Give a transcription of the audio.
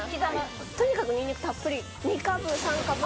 とにかくニンニクたっぷり。